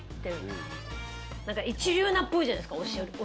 一流っぽいじゃないですかお城って。